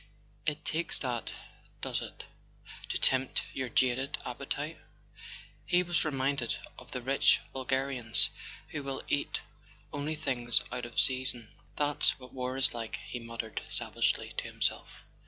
It takes that, does it, to tempt your jaded appetite?" He was reminded of the rich vulgarians who will eat only things out of season. "That's what war is like," he muttered sav¬ agely to himself.